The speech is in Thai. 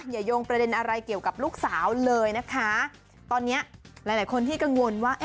โยงประเด็นอะไรเกี่ยวกับลูกสาวเลยนะคะตอนเนี้ยหลายหลายคนที่กังวลว่า